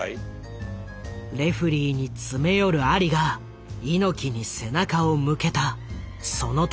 レフリーに詰め寄るアリが猪木に背中を向けたその時。